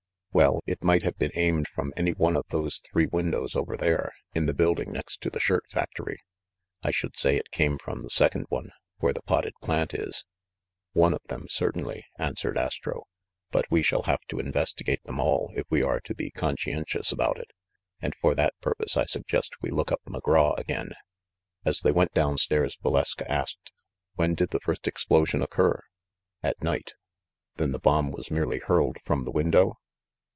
"Well, it might have been aimed from any one of those three windows over there, in the building next to the shirt factory. I should say it came from the sec ond one, where the potted plant is." "One of them, certainly," answered Astro. "But we shall have to investigate them all, if we are to be conscientious about it, and for that purpose I suggest we look up McGraw again." 'f As they went down stairs, Valeska asked, "When did the first explosion occur ?" "At night." THE MACDOUGAL STREET AFFAIR 55 "Then the bomb was merely hurled from the win dow?"